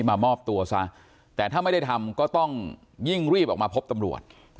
มามอบตัวซะแต่ถ้าไม่ได้ทำก็ต้องยิ่งรีบออกมาพบตำรวจ